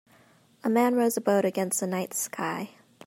A man rows a boat against a night sky.